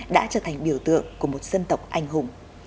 đã trở thành biểu tượng của một dân tộc anh hùng